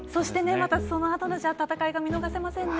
そのあとの戦いが見逃せませんね。